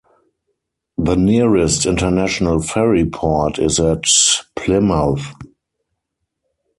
The nearest international ferry port is at Plymouth.